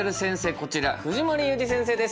こちら藤森裕治先生です。